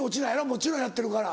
もちろんやってるから。